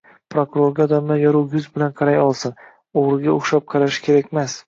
Prokurorga odamlar yorugʻ yuz bilan qaray olsin, oʻgʻriga oʻxshab qarashi kerakmas.